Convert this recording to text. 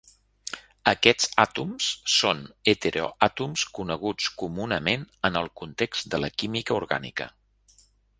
Aquests àtoms són heteroàtoms coneguts comunament en el context de la química orgànica.